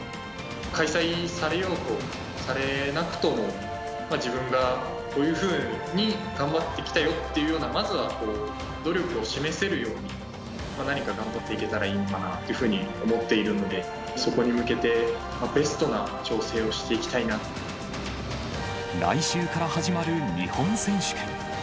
開催されようとされなくとも、自分がこういうふうに頑張ってきたよっていうような、まずは努力を示せるように、何か頑張っていけたらいいのかなというふうに思っているので、そこに向けて、来週から始まる日本選手権。